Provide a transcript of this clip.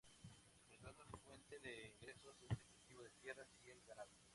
Su principal fuente de ingresos es el cultivo de tierras y el ganado.